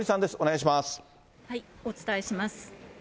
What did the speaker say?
お伝えします。